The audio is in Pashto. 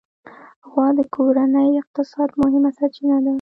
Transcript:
غوا د کورني اقتصاد مهمه سرچینه ده.